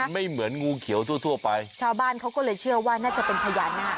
ไม่เหมือนงูเขียวทั่วทั่วไปชาวบ้านเขาก็เลยเชื่อว่าน่าจะเป็นพญานาค